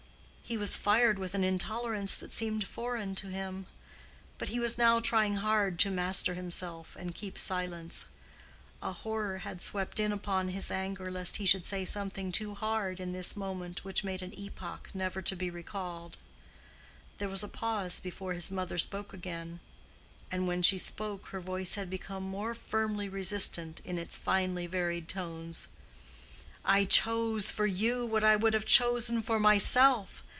He was fired with an intolerance that seemed foreign to him. But he was now trying hard to master himself and keep silence. A horror had swept in upon his anger lest he should say something too hard in this moment which made an epoch never to be recalled. There was a pause before his mother spoke again, and when she spoke her voice had become more firmly resistant in its finely varied tones: "I chose for you what I would have chosen for myself.